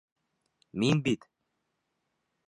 Мин бит!